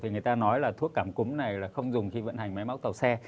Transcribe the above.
người ta nói là thuốc cảm cúm này là không dùng khi vận hành máy móc tàu xe